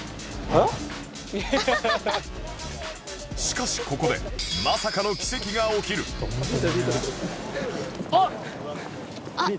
しかしここでまさかの奇跡が起きるあっビートルズ！